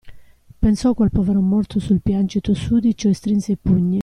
Pensò a quel povero morto sul piancito sudicio e strinse i pugni.